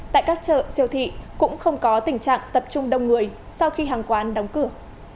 tại các chợ siêu thị cũng không có tình trạng tập trung đông người sau khi hàng quán đóng cửa